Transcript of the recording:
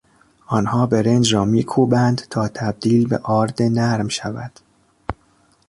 آنها برنج را میکوبند تا تبدیل به آرد نرم شود.